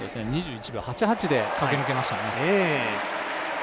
２１秒８８で駆け抜けましたね。